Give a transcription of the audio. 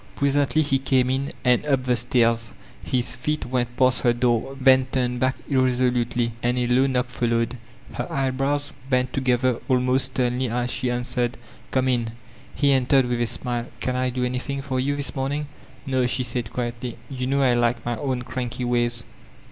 Presently he came in and up the stain. His feet went past her door, then turned back irresolutely, and a low knock followed. Her eyebrows bent together almost sternly as she answered, ''Come in." He entered with a smile : ''Can I do anything for you, tliis morning?" "No," she said quietly, "you know I like my own cranky ways.